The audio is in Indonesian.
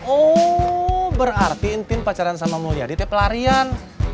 oh berarti entin pacaran sama mulyadi tipe pelarian